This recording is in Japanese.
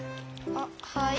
あっはい。